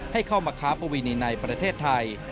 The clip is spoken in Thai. ให้เข้ามาค้าปวีในประเทศไทย